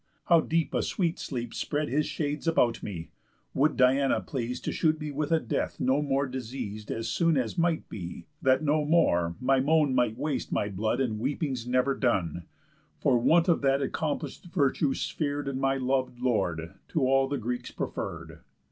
How deep a sweet sleep spread His shades about me! Would Diana pleas'd To shoot me with a death no more diseas'd, As soon as might be, that no more my moan Might waste my blood in weepings never done, For want of that accomplish'd virtue spher'd In my lov'd lord, to all the Greeks preferr'd!"